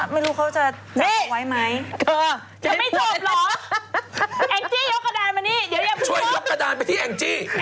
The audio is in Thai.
เดี๋ยวฉันอาจเอ่ง